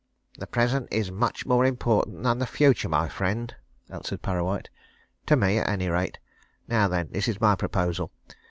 "The present is much more important than the future, my friend," answered Parrawhite. "To me, at any rate. Now, then, this is my proposal.